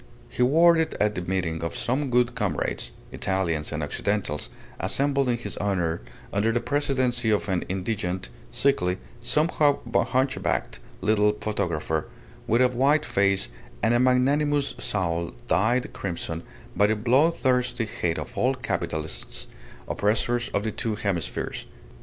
He wore it at the meeting of some good comrades, Italians and Occidentals, assembled in his honour under the presidency of an indigent, sickly, somewhat hunchbacked little photographer, with a white face and a magnanimous soul dyed crimson by a bloodthirsty hate of all capitalists, oppressors of the two hemispheres.